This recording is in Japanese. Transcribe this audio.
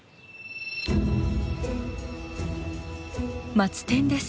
マツテンです。